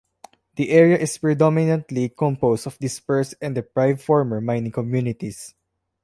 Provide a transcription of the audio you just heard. The area is predominantly composed of dispersed and deprived former mining communities.